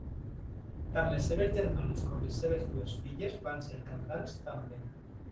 Tant les seves germanes com les seves dues filles van ser cantants també.